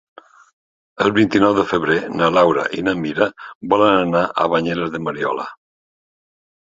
El vint-i-nou de febrer na Laura i na Mira volen anar a Banyeres de Mariola.